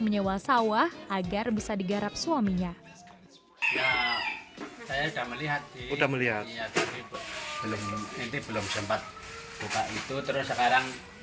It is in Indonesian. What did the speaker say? menyerap suaminya saya sudah melihat udah melihat belum nanti belum sempat buka itu terus sekarang